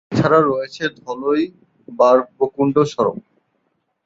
এছাড়া রয়েছে ধলই-বাড়বকুণ্ড সড়ক।